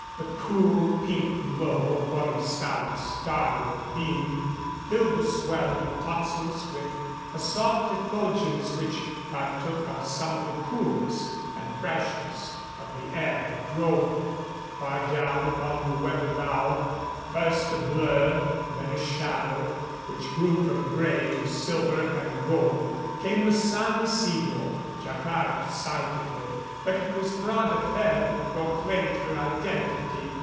The cool, pink glow upon the Sally's starboard beam filled the swell of the top sails with a soft effulgence which partook of some of the coolness and freshness of the air that drove them. Far down upon the weather bow, first a blur, then a shadow which grew from gray to silver and gold, came the San Isidro. Jacquard sighted her, but it was Bras de Fer who proclaimed her identity.